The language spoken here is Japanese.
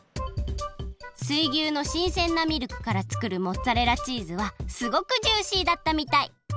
水牛のしんせんなミルクから作るモッツァレラチーズはすごくジューシーだったみたい